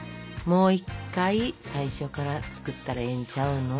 もう１回最初から作ったらええんちゃうの。